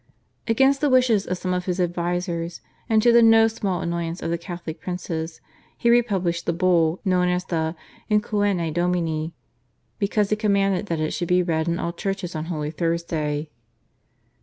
Against the wishes of some of his advisers and to the no small annoyance of the Catholic princes he republished the Bull, known as the /In Coena Domini/, because he commanded that it should be read in all churches on Holy Thursday.